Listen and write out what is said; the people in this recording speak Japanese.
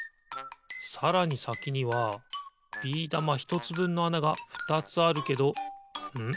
さらにさきにはビー玉ひとつぶんのあながふたつあるけどん？